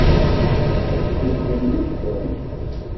Ad tedduklem yid-sen?